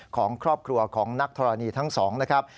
ของครอบครัวของนักธรณีทั้งสองนะครับ